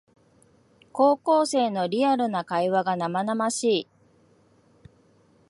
高校生のリアルな会話が生々しい